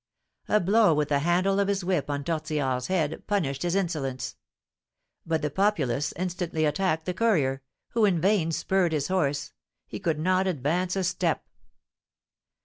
A blow with the handle of his whip on Tortillard's head punished his insolence; but the populace instantly attacked the courier, who in vain spurred his horse, he could not advance a step.